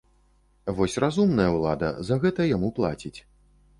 Вось разумная ўлада за гэта яму плаціць!